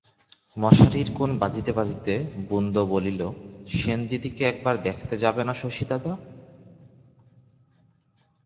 মশারির কোণ বাঁধিতে বাঁধিতে বুন্দ বলিল, সেনদিদিকে একবার দেখতে যাবে না শশী দাদা?